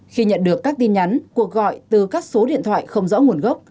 khi nhận được các tin nhắn cuộc gọi từ các số điện thoại không rõ nguồn gốc